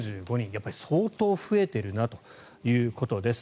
やっぱり相当増えているなということです。